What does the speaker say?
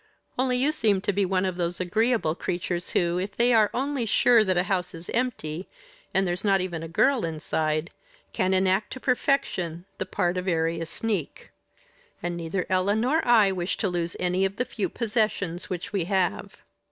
Only you seem to be one of those agreeable creatures who, if they are only sure that a house is empty, and there's not even a girl inside, can enact to perfection the part of area sneak; and neither Ella nor I wish to lose any of the few possessions which we have."